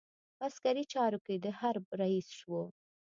په عسکري چارو کې د حرب رئیس وو.